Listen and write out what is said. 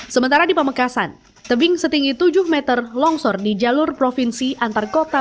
sementara di pamekasan tebing setinggi tujuh meter longsor di jalur provinsi antar kota